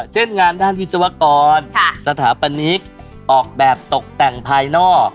เช่นงานด้านวิศวกรสถาปนิกออกแบบตกแต่งภายนอก